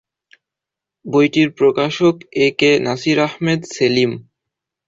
বইটির প্রকাশক A K Nasir Ahmed Selim.